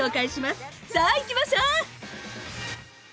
さあ行きましょう！